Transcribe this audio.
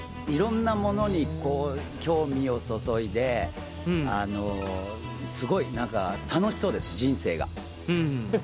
いろんなものに興味をそそいで、すごい楽しそうです、人生が。